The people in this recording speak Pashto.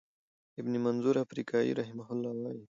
ابن منظور افریقایی رحمه الله وایی،